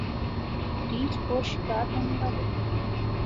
ریچھ اور شکار ہونے والے